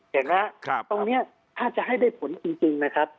เห็นไหมตรงนี้ถ้าจะให้ได้ผลจริงนะครับ